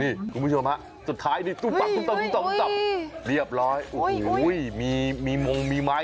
นี่ทุกคนชอบมั้ยสุดท้ายตกอุ้ยเราเหลียบแล้วมีมืองมีไม้